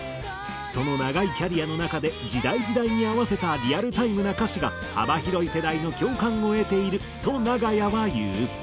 その長いキャリアの中で時代時代に合わせたリアルタイムな歌詞が幅広い世代の共感を得ていると長屋は言う。